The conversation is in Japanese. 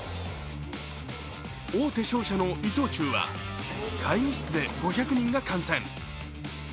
大手商社の伊藤忠は会議室で５００人が観戦。